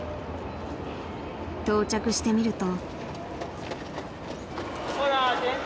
［到着してみると］